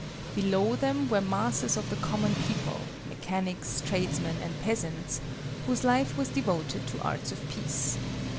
Below them were masses of the common people—mechanics, tradesmen, and peasants—whose life was devoted to arts of peace.